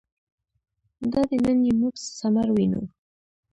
دادی نن یې موږ ثمر وینو.